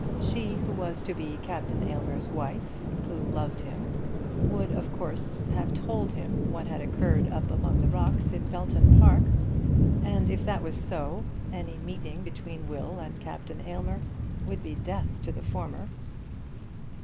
She who was to be Captain Aylmer's wife, who loved him, would of course have told him what had occurred up among the rocks in Belton Park; and if that was so, any meeting between Will and Captain Aylmer would be death to the former.